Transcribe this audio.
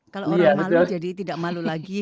kalau orang malu jadi tidak malu lagi